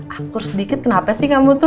aku harus sedikit kenapa sih kamu tuh